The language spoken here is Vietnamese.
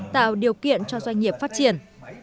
tạo điều kiện cho doanh nghiệp phát triển